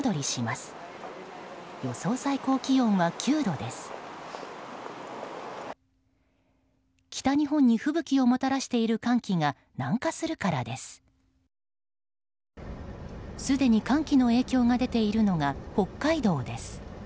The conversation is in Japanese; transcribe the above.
すでに寒気の影響が出ているのが北海道です。